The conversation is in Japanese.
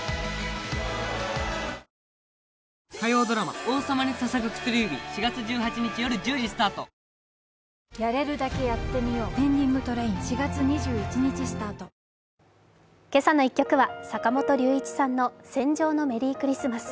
「ボスカフェイン」「けさの１曲」は坂本龍一さんの「戦場のメリークリスマス」。